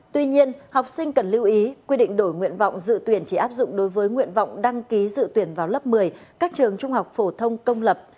tuy nhiên học sinh cần lưu ý quy định đổi nguyện vọng dự tuyển chỉ áp dụng đối với nguyện vọng đăng ký dự tuyển vào lớp một mươi các trường trung học phổ thông công lập